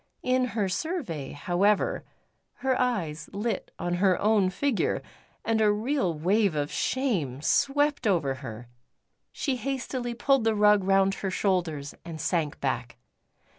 In her survey, however, her eyes lit on her own figure, and a real wave of shame swept over her; she hastily pulled the rug round her shoulders and sank back.